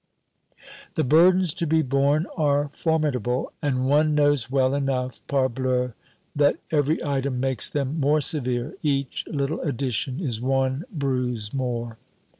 The burdens to be borne are formidable, and one knows well enough, parbleu, that every item makes them more severe, each little addition is one bruise more.